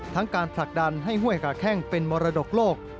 การผลักดันให้ห้วยขาแข้งเป็นมรดกโลก